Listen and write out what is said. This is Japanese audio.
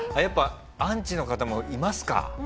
やっぱアンチの方もいますか。